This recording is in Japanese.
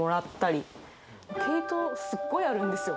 毛糸すっごいあるんですよ。